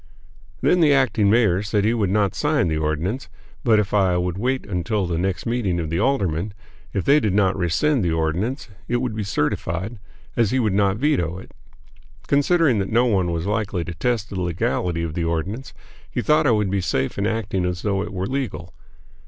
Then the acting mayor said he would not sign the ordinance; but if I would wait until the next meeting of the aldermen, if they did not rescind the ordinance, it would be certified, as he would not veto it. Considering that no one was likely to test the legality of the ordinance, he thought I would be safe in acting as though it were legal.